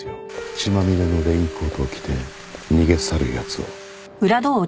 血まみれのレインコートを着て逃げ去る奴を。